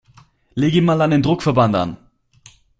Leg ihm mal einen Druckverband an!